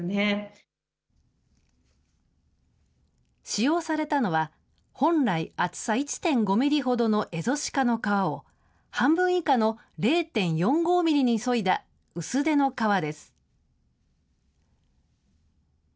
使用されたのは、本来厚さ１．５ミリほどのエゾシカの革を半分以下の０．４５ミリに削いだ薄手の革です。